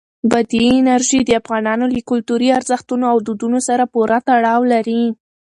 بادي انرژي د افغانانو له کلتوري ارزښتونو او دودونو سره پوره تړاو لري.